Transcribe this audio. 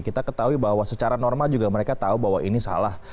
kita ketahui bahwa secara normal juga mereka tahu bahwa ini salah